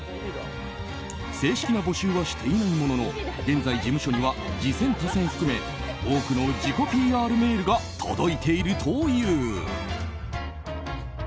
正式な募集はしていないものの現在、事務所には自薦他薦含め多くの自己ＰＲメールが届いているという。